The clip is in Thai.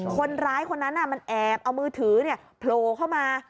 คนร้ายคนนั้นมันแอบเอามือถือโผล่เข้ามา